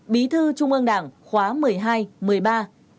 bí thư trung ương đảng khóa một mươi hai một mươi ba